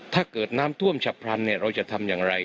ถ้าเกิดน้ำท่วมฉับพลันเนี่ยเราจะทำอย่างไร